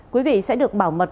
quý vị sẽ được bảo mật